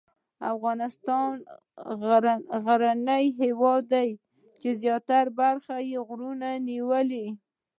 افغانستان یو غرنی هېواد دی چې زیاته برخه یې غرونو نیولې.